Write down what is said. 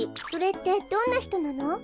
それってどんなひとなの？